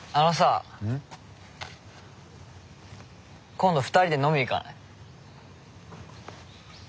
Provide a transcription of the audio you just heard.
今度２人で飲み行かない？